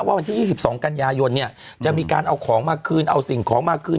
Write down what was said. วันที่๒๒กันยายนเนี่ยจะมีการเอาของมาคืนเอาสิ่งของมาคืน